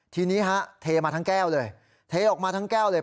ทีนี้ฮะเทมาทั้งแก้วเลยเทออกมาทั้งแก้วเลย